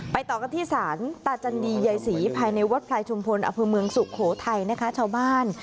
ต่อกันที่ศาลตาจันดียายศรีภายในวัดพลายชุมพลอำเภอเมืองสุโขทัยนะคะชาวบ้าน